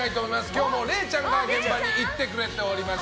今日も、れいちゃんが現場に行ってくれております。